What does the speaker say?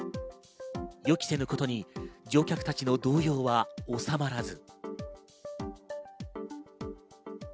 予期せぬことに乗客たちの動揺は収まらず。